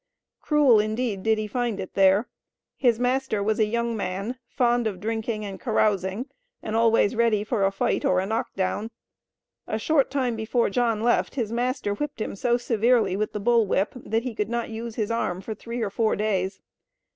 Cruel indeed did he find it there. His master was a young man, "fond of drinking and carousing, and always ready for a fight or a knock down." A short time before John left his master whipped him so severely with the "bull whip" that he could not use his arm for three or four days.